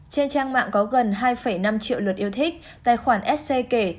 trên trang mạng có gần hai năm triệu lượt yêu thích tài khoản sc kể